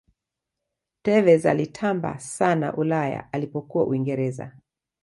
tevez alitamba sana ulaya alipokuwa uingereza